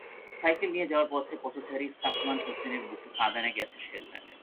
Cycle নিয়ে যাওয়ার পথে পথচারী সাকমান হোসেনের বুকে কাঁদানে গ্যাসের শেল লাগে।